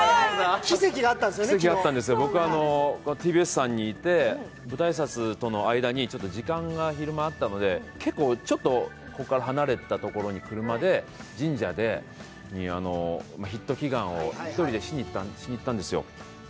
僕はＴＢＳさんにいて、舞台挨拶の時間が昼間あったので、結構、ここから離れたところに神社にヒット祈願を１人でしに行ったんですよ。